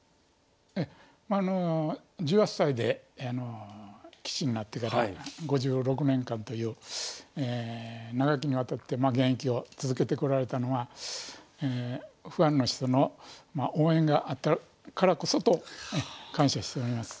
ええまああの１８歳で棋士になってから５６年間という長きにわたって現役を続けてこられたのはファンの人の応援があったからこそと感謝しております。